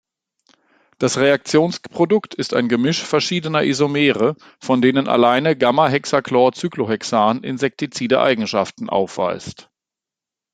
Das Reaktionsprodukt ist ein Gemisch verschiedener Isomere, von denen alleine Gamma-Hexachlorcyclohexan insektizide Eigenschaften aufweist.